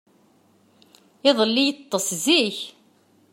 Iḍelli, yeṭṭes zik.